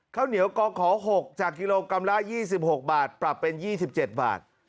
ข้าวเหนียวกขอ๖จากกิโลกรัมละ๒๖บาทปรับเป็น๒๗บาท